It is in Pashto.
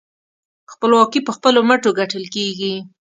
خپلواکي په خپلو مټو ګټل کېږي.